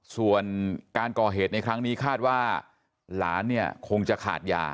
ส่วนการก่อเหตุในครั้งนี้คาดว่าหลานเนี่ยคงจะขาดยา